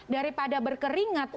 daripada berkeringat untuk